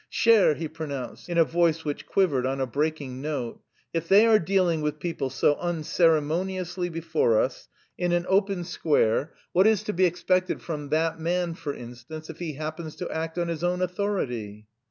"Cher," he pronounced in a voice which quivered on a breaking note, "if they are dealing with people so unceremoniously before us, in an open square, what is to be expected from that man, for instance... if he happens to act on his own authority?"